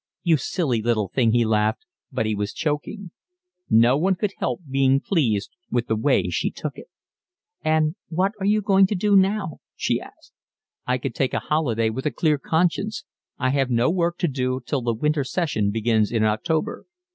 "You silly little thing," he laughed, but he was choking. No one could help being pleased with the way she took it. "And what are you going to do now?" she asked. "I can take a holiday with a clear conscience. I have no work to do till the winter session begins in October."